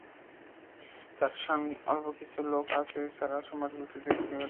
তার স্বামী ও অল্প কিছু লোক ছাড়া সম্ভ্রান্ত ব্যক্তিদের কেউ শিরকে নেই।